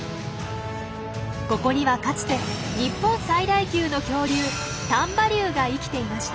ここにはかつて日本最大級の恐竜丹波竜が生きていました。